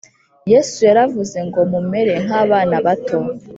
yesu yaravuze ngo mumere nk ‘abana bato